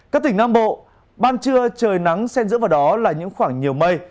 các tỉnh nam bộ ban trưa trời nắng sen giữa vào đó là những khoảng nhiều mây